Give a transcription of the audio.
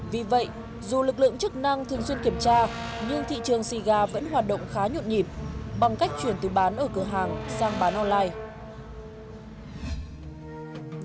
vì vậy dù lực lượng chức năng thường xuyên kiểm tra nhưng thị trường xì gà vẫn hoạt động khá nhộn nhịp bằng cách chuyển từ bán ở cửa hàng sang bán online